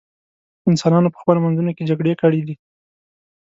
انسانانو په خپلو منځونو کې جګړې کړې دي.